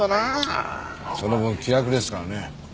その分気楽ですからね。